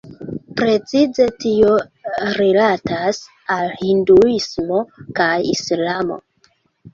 Precize tio rilatas al Hinduismo kaj Islamo.